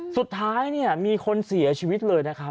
สุดท้ายเนี่ยมีคนเสียชีวิตเลยนะครับ